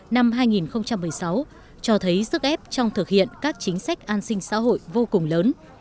năm hai nghìn một mươi sáu cho thấy sức ép trong thực hiện các chính sách an sinh xã hội vô cùng lớn